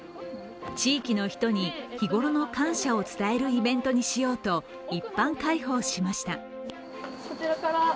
地域の人に日ごろに感謝を伝えるイベントにしようと一般開放しました。